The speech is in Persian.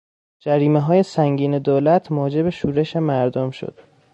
جریمههای سنگین دولت موجب شورش مردم شد.